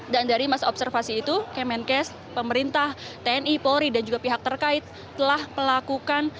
dan dari masa observasi itu kemenkes pemerintah tni polri dan juga pihak terkait telah melakukan